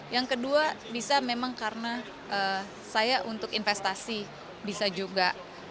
yang kedua bisa memang karena saya untuk investasi bisa juga